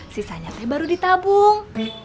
sisanya teh baru ditabung